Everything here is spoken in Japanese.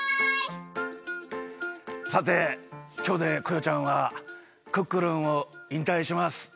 さてきょうでクヨちゃんはクックルンをいんたいします。